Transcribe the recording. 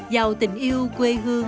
giàu tình yêu quê hương